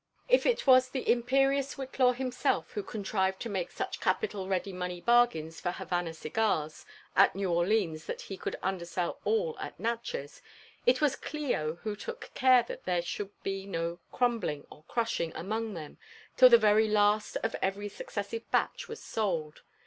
If it was the im JONATHAN JBFFEttSON WHITLAW. 1&5 perioQB Whillaw himself who contrived (o make such capital ready money bargains for Havannah cigars at New Orleans (hat he could undersell all Natchez, it was Clio who took care that there should be no crumbling or crushing anoong them till the very last of every suc cessive batch was sold.